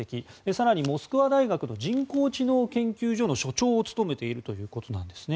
更にモスクワ大学の人工知能研究所の所長を務めているということです。